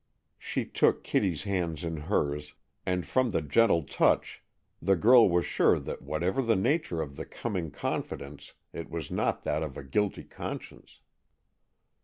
She took Kitty's hand in hers, and from the gentle touch the girl was sure that whatever was the nature of the coming confidence, it was not that of a guilty conscience.